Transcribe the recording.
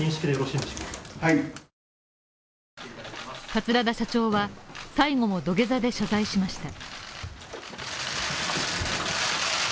桂田社長は最後も土下座で謝罪しました。